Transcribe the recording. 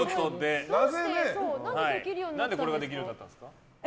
何でこれができるようになったんですか？